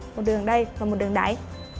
một đường ở đây và một đường đáy